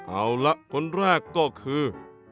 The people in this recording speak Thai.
เอาละคนแรกก็คือ